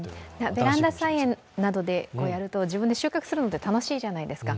ベランダ菜園なんかは自分で収穫するの楽しいじゃないですか